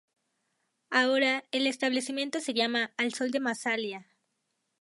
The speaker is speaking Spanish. Ahora, el establecimiento se llama "Al sol de Massalia".